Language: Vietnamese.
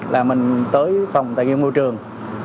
là mình tới phòng tài nguyên môi trường